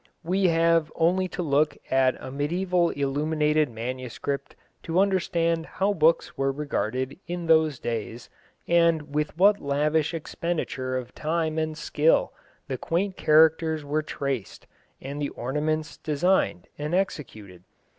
We have only to look at a mediæval illuminated manuscript to understand how books were regarded in those days, and with what lavish expenditure of time and skill the quaint characters were traced and the ornaments designed and executed.